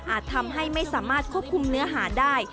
ทำให้ไม่สามารถควบคุมเนื้อหาได้